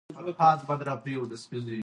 د ولس ګډون مشروعیت زیاتوي